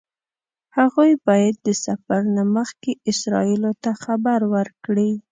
هغوی باید د سفر نه مخکې اسرائیلو ته خبر ورکړي.